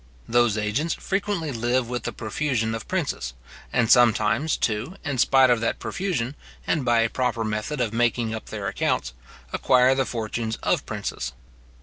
Those agents frequently live with the profusion of princes; and sometimes, too, in spite of that profusion, and by a proper method of making up their accounts, acquire the fortunes of princes.